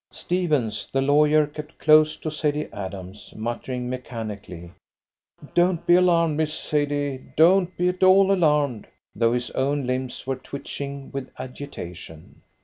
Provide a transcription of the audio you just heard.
Stephens, the lawyer, kept close to Sadie Adams, muttering mechanically, "Don't be alarmed, Miss Sadie; don't be at all alarmed!" though his own limbs were twitching with agitation.